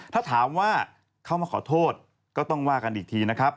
ถ้าถามว่าเขามาขอโทษก็ต้องว่ากันอีกทีนะครับ